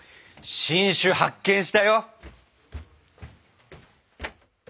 新種発見したよ！